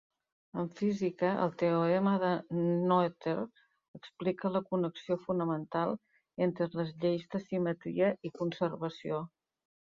En física, el teorema de Noether explica la connexió fonamental entre les lleis de simetria i conservació.